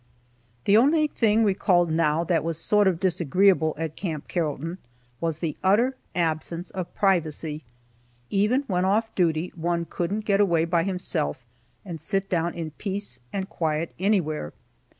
The only thing recalled now that was sort of disagreeable at Camp Carrollton was the utter absence of privacy. Even when off duty, one couldn't get away by himself, and sit down in peace and quiet anywhere.